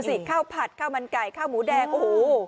ข้าวผัดข้าวมันไก่ข้าวหมูแดงโอ้โห